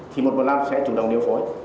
thì một trăm một mươi năm sẽ chủ động điều phối